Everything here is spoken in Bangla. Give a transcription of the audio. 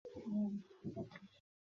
সে এখনো বাচ্চা।